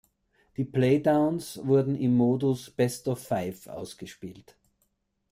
Die Play-downs wurden im Modus Best-of-Five ausgespielt.